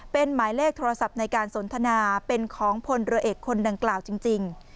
เป็นหมายเลขโทรศัพท์ในการสนทนาเป็นของพลเรือเอกคนดังกล่าวจริง